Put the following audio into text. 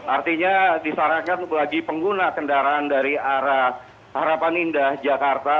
artinya disarankan bagi pengguna kendaraan dari arah harapan indah jakarta